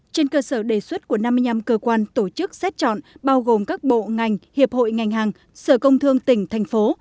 trên cơ sở đề xuất của năm mươi năm cơ quan tổ chức xét chọn bao gồm các bộ ngành hiệp hội ngành hàng sở công thương tỉnh thành phố